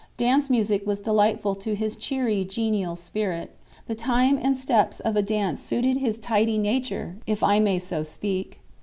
Dance music was delightful to his cheery, genial spirit; the time and steps of a dance suited his tidy nature, if I may so speak.